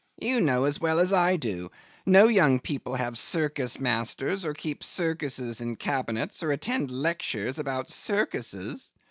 'You know, as well as I do, no young people have circus masters, or keep circuses in cabinets, or attend lectures about circuses.